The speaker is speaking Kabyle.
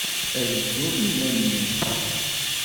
Ad dduɣ i yiman-inu.